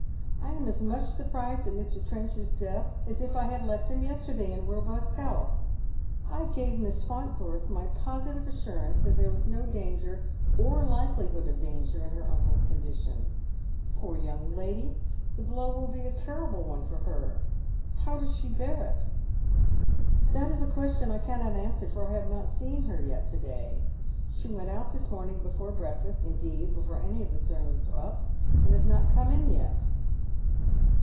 I am as much sur prised at Mr. Trenchard's death as if I had left him yesterday in The Passing Sell. 891 robnst health. I gave Miss Faunthorpe my positive assurance that there was no danger, or likelihood of danger in her imcle'a condition. Poor young lady! The blow will be a terrible one for her. How docs she bear it ?'' "That is a question I cannot answer, for I have not seen her to day. She went out this morning before breakfast — indeed, before any of the servants were up — and has not come in yet."